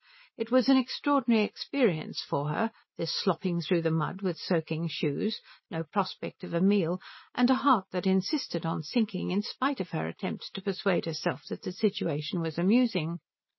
It was an extraordinary experience for her, this slopping through the mud with soaking shoes, no prospect of a meal, and a heart that insisted on sinking in spite of her attempts to persuade herself that the situation was amusing.